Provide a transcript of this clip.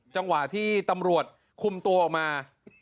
จังหวะที่ตำรวจคุมตัวออกมา